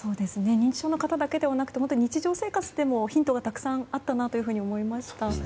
認知症の方だけではなくて本当日常生活でもヒントがたくさんあったなと思いました。